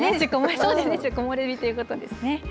そうです、年中木漏れ日ということですね。